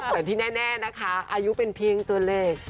แต่ที่แน่นะคะอายุเป็นเพียงตัวเลข